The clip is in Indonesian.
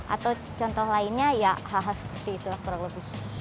atau contoh lainnya ya hal hal seperti itu kurang lebih